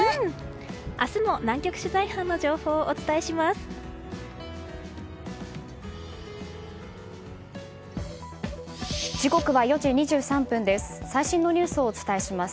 明日も南極取材班の情報をお伝えします。